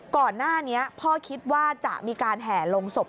ก่อนหน้านี้พ่อคิดว่าจะมีการแห่ลงศพ